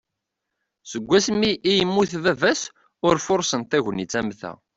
Seg wasmi i yemmut baba-s ur fursen tagnit am ta.